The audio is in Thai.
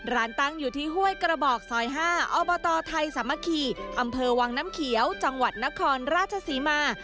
ร้านตั้งอยู่ที่ห้วยกระบอกซอย๕อบตไทยสามัคคีอำเภอวังน้ำเขียวจังหวัดนครราชศรีมา